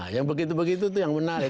yang begitu begitu itu yang menarik